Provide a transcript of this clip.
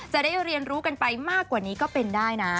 จะได้เรียนรู้กันไปมากกว่านี้ก็เป็นได้นะ